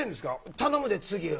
「頼むで次は。